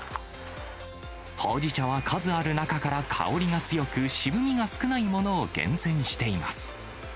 ほうじ茶は数ある中から香りが強く渋みが少ないものを厳選しています。